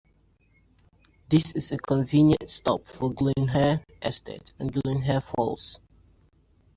This is a convenient stop for Glynhir Estate and Glynhir Falls.